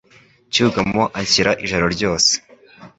Cyugamo anshyira ijoro ryose.